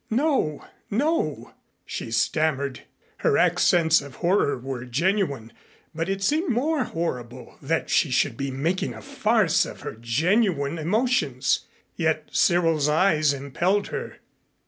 "No, no," she stammered. Her accents of horror were genuine, but it seemed more horrible that she should be making a farce of her genuine emotions. Yet Cyril's eyes impelled her.